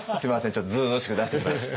ちょっとずうずうしく出してしまいました。